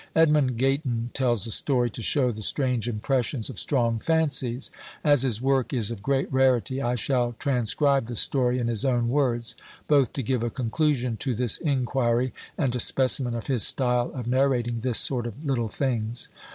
Edmund Gayton tells a story, to show the strange impressions of strong fancies: as his work is of great rarity, I shall transcribe the story in his own words, both to give a conclusion to this inquiry, and a specimen of his style of narrating this sort of little things.